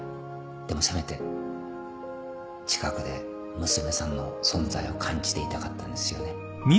でもせめて近くで娘さんの存在を感じていたかったんですよね。